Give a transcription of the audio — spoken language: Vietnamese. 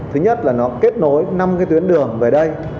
thứ nhất là nó kết nối năm cái tuyến đường về đây